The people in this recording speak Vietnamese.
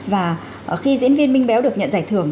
và khi diễn viên minh béo được nhận giải thưởng